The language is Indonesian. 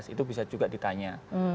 itu bisa juga ditanya